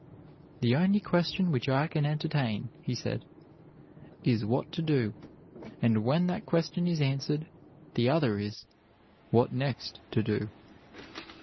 "The only question which I can entertain," he said, "is what to do; and when that question is answered, the other is, what next to do."